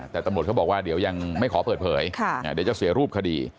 แต่ตำรวจเขาบอกว่าเดี๋ยวยังไม่ขอเปิดเผยเดี๋ยวจะเสียรูปคดี